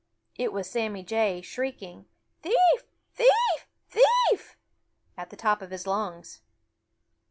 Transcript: It was Sammy Jay, shrieking: "Thief! Thief! Thief!" at the top of his lungs.